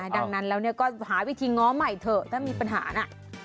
ดังนั้นแล้วก็หาวิธีง้อใหม่เถอะถ้ามีปัญหานะ